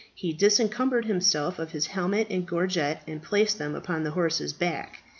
He disencumbered himself of his helmet and gorget, and placed these upon the horse's back.